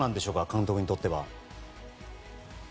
監督にとっては。